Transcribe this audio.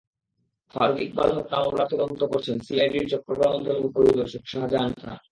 ফারুক ইকবাল হত্যা মামলার তদন্ত করছেন সিআইডির চট্টগ্রাম অঞ্চলের পরিদর্শক শাহজাহান খান।